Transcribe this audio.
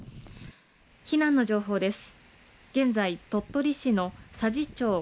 避難の情報です。